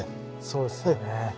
そうですよね。